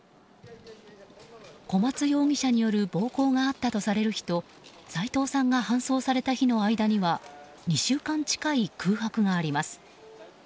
小松容疑者による暴行があったとされる日と齋藤さんが搬送された日の間には２週間近い空白があります。